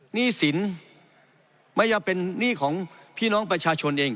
หนี้สินไม่ว่าเป็นหนี้ของพี่น้องประชาชนเอง